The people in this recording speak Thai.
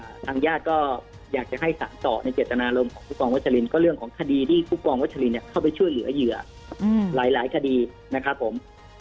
ทางญาติก็อยากจะให้สะต่อในเจตนารมณ์ของผู้กองวัชลินก็เรื่องของคดีที่ผู้กองวัชลินเข้าไปช่วยเหลือเหยื่อหลายคดีนะครับผม